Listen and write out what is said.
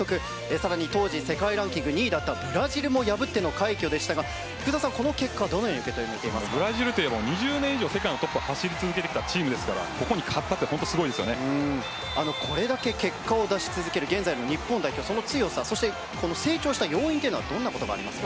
さらに当時世界ランキング２位だったブラジルも破っての快挙でしたがこの結果ブラジルは２０年以上世界のトップを走ってきたチームですからこれだけ結果を出し続ける現在の日本代表その強さ、成長した要因にはどんなことがありますか？